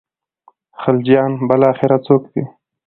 خلجیان بالاخره څوک دي.